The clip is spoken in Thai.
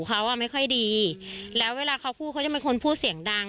เขาอ่ะไม่ค่อยดีแล้วเวลาเขาพูดเขาจะเป็นคนพูดเสียงดัง